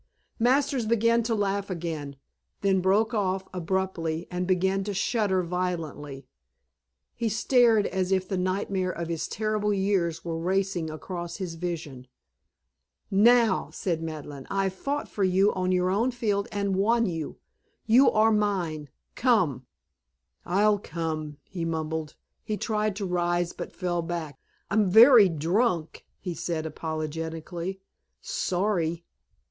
Masters began to laugh again, then broke off abruptly and began to shudder violently. He stared as if the nightmare of his terrible years were racing across his vision. "Now," said Madeleine. "I've fought for you on your own field and won you. You are mine. Come." "I'll come," he mumbled. He tried to rise but fell back. "I'm very drunk," he said apologetically. "Sorry."